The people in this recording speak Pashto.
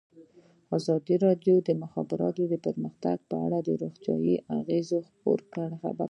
ازادي راډیو د د مخابراتو پرمختګ په اړه د روغتیایي اغېزو خبره کړې.